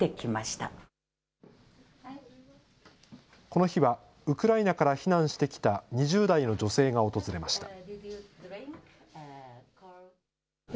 この日は、ウクライナから避難してきた２０代の女性が訪れました。